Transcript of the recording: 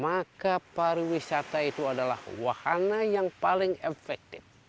maka pariwisata itu adalah wahana yang paling efektif